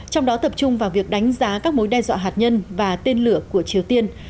trong đó tập trung vào việc đánh giá các mối đe dọa hạt nhân và tên lửa của triều tiên